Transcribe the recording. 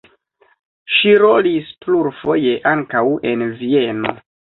Ŝi rolis plurfoje ankaŭ en Vieno.